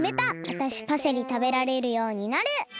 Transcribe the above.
わたしパセリたべられるようになる！